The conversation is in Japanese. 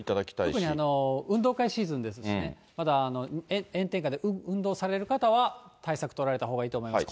特に運動会シーズンですしね、特に炎天下で運動される方は、対策取られたほうがいいと思います。